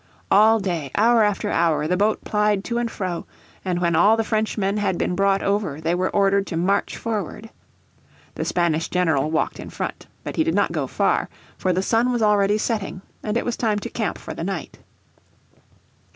All day, hour after hour, the boat plied to and fro: and when all the Frenchmen had been brought over they were ordered to march forward. The Spanish general walked in front. But he did not go far, for the sun was already setting, and it was time to camp for the night.